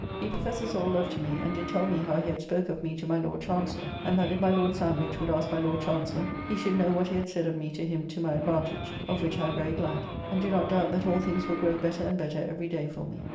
He professes all love to me, and did tell me how he had spoke of me to my Lord Chancellor, and that if my Lord Sandwich would ask my Lord Chancellor, he should know what he had said of me to him to my advantage, of which I am very glad, and do not doubt that all things will grow better and better every day for me.